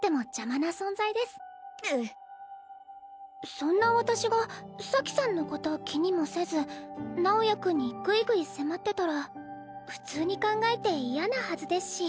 そんな私が咲さんのこと気にもせず直也君にグイグイ迫ってたら普通に考えて嫌なはずですし。